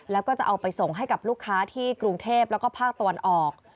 แล้วก็จะเอาไปส่งให้กับลูกค้าที่กรุงเทพแล้วก็ภาคตะวันออก